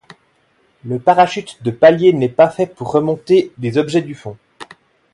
Le parachute de palier n’est pas fait pour remonter des objets du fond.